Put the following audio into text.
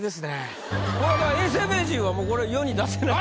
これは永世名人はもうこれ世に出せないので。